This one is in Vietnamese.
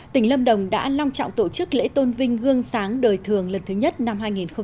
tỉnh lâm đồng đã long trọng tổ chức lễ tôn vinh gương sáng đời thường lần thứ nhất năm hai nghìn một mươi chín